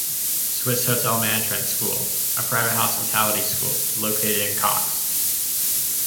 Swiss Hotel Management School a private hospitality school, located in Caux.